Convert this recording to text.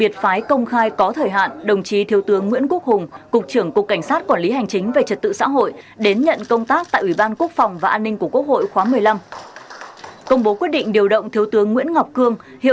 sáng nay tại hà nội thượng tướng nguyễn duy ngọc yêu cầu các đơn vị địa phương mình